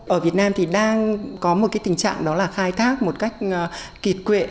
ở việt nam thì đang có một cái tình trạng đó là khai thác một cách kịt quệ